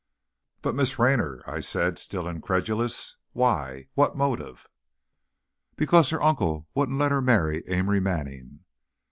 "But, Miss Raynor!" I said, still incredulous. "Why? What motive?" "Because her uncle wouldn't let her marry Amory Manning.